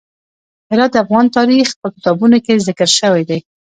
هرات د افغان تاریخ په کتابونو کې ذکر شوی دی.